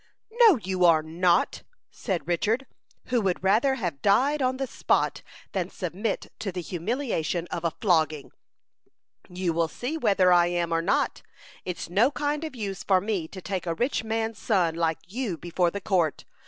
"No, you are not," said Richard, who would rather have died on the spot than submit to the humiliation of a flogging. "You will see whether I am or not. It's no kind of use for me to take a rich man's son like you before the court.